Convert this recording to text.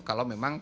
kalau memang bisa